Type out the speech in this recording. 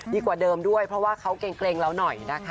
กว่าเดิมด้วยเพราะว่าเขาเกร็งเราหน่อยนะคะ